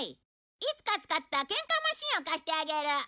いつか使ったけんかマシンを貸してあげる。